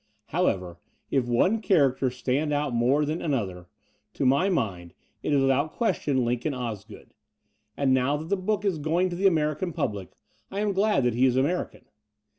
However, if one character stand out more than another, to my mind it is without 3 1 4 Foreword question Lincoln Osgood : and now that the book is going to the American public, I am glad that he is American.